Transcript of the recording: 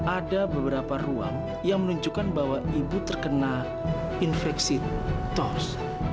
ada beberapa ruang yang menunjukkan bahwa ibu terkena infeksi tos